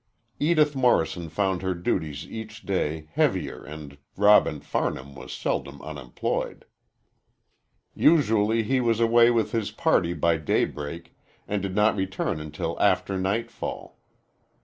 Edith Morrison found her duties each day heavier and Robin Farnham was seldom unemployed. Usually he was away with his party by daybreak and did not return until after nightfall.